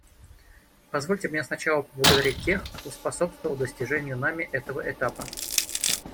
Позвольте мне сначала поблагодарить тех, кто способствовал достижению нами этого этапа.